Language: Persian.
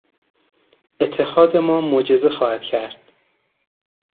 اتحاد ما معجزه خواهد کرد.